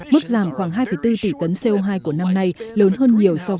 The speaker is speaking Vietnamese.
mức giảm khoảng hai bốn tỷ tấn co hai của năm nay lớn hơn nhiều so với năm hai nghìn hai mươi